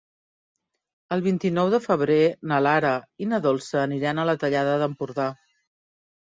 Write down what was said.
El vint-i-nou de febrer na Lara i na Dolça aniran a la Tallada d'Empordà.